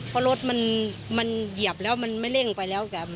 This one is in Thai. เพราะรถมันเหยียบแล้วมันไม่เร่งไปแล้ว